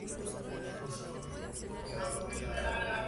Duerme durante el día, usualmente junto a árboles caídos o arbustos espesos.